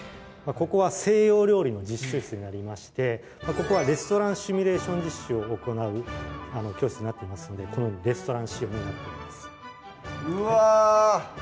ここは西洋料理の実習室になりましてここはレストランシミュレーション実習を行う教室になっていますのでこのようにレストラン仕様になっていますうわ！